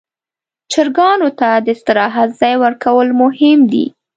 چرګانو ته د استراحت ځای ورکول مهم دي.